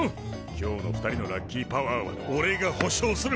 今日の２人のラッキーパワーはおれが保証する！